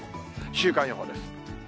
週間予報です。